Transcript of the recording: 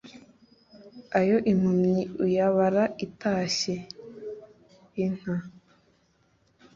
Ayo impumyi uyabara itashye (inka).